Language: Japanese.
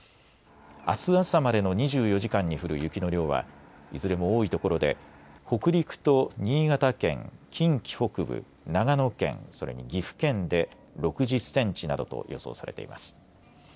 あす朝までの２４時間に降る雪の量はいずれも多いところで北陸と新潟県、近畿北部、長野県、それに岐阜県で６０センチなどと予想されています。